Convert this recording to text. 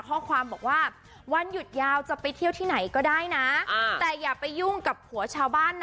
ข้อความบอกว่าวันหยุดยาวจะไปเที่ยวที่ไหนก็ได้นะแต่อย่าไปยุ่งกับผัวชาวบ้านนะ